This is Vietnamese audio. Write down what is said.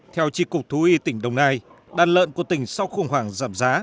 theo tri cục thú y tỉnh đồng nai đàn lợn của tỉnh sau khủng hoảng giảm giá